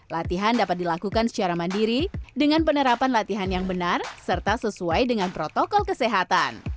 latihan dapat dilakukan secara mandiri dengan penerapan latihan yang benar serta sesuai dengan protokol kesehatan